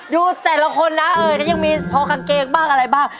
ดูแต่ละคนนะยังมีพอกางเกงบ้างอะไรบ้าง